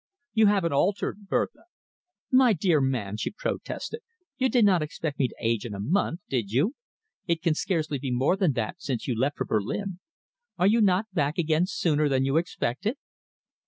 "You haven't altered, Bertha." "My dear man," she protested, "you did not expect me to age in a month, did you? It can scarcely be more than that since you left for Berlin. Are you not back again sooner than you expected?"